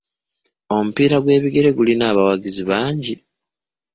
Omupiira gw'ebigere gulina abawagizi bangi.